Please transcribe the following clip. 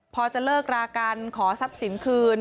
พอจะเลิกรากันขอทรัพย์สินคืน